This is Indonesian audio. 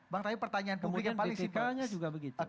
bang tapi pertanyaan publik yang paling singkat